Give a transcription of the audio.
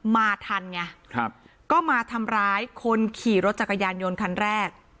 มาทันไงครับก็มาทำร้ายคนขี่รถจักรยานยนต์คันแรก